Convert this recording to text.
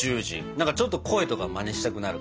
何かちょっと声とかマネしたくなる感じ。